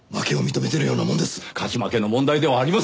勝ち負けの問題ではありません。